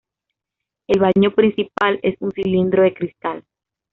El baño principal es un cilindro de cristal.